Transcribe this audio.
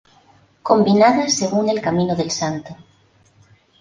Combinadas según el camino del Santo.